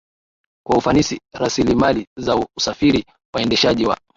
kwa ufanisi Rasilimali za usafiri waendeshaji wa